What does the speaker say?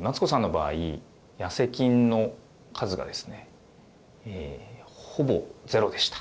マツコさんの場合ヤセ菌の数がですねほぼゼロでした。